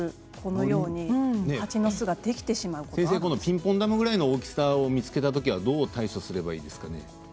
ピンポン玉ぐらいの大きさを見つけたときはどう対処すればいいですかね。